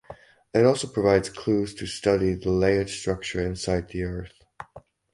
It also provides clues to study the layered structure inside the earth.